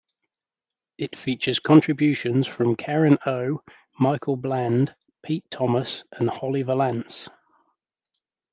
It features contributions from Karen O, Michael Bland, Pete Thomas, and Holly Valance.